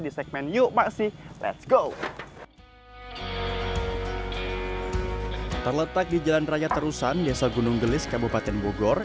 di segmen yukmaksi let s go terletak di jalan raya terusan desa gunung gelis kabupaten bogor